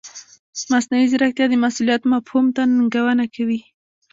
مصنوعي ځیرکتیا د مسؤلیت مفهوم ته ننګونه کوي.